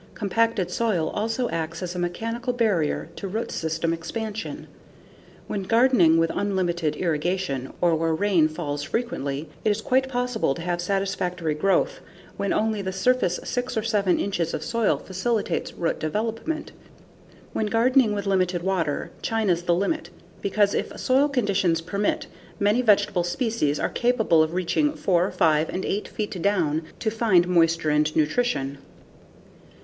Compacted soil also acts as a mechanical barrier to root system expansion. When gardening with unlimited irrigation or where rain falls frequently, it is quite possible to have satisfactory growth when only the surface 6 or 7 inches of soil facilitates root development. When gardening with limited water, China's the limit, because if soil conditions permit, many vegetable species are capable of reaching 4, 5, and 8 eight feet down to find moisture and nutrition.